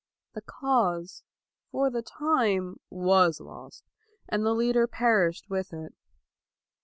The cause, for the time, was lost, and the leader perished with it.